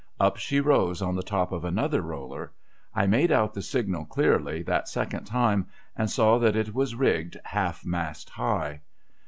Up she rose on the top of another roller. I made out the signal clearly, that second time, and saw that it was rigged half mast high.